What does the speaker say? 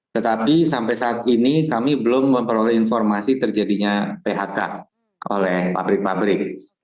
tetapi sampai saat ini kami belum memperoleh informasi terjadinya phk oleh pabrik pabrik